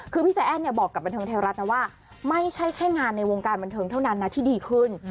คือพี่ใจแอ้นเนี่ยบอกกับบันเทิงไทยรัฐนะว่าไม่ใช่แค่งานในวงการบันเทิงเท่านั้นนะที่ดีขึ้น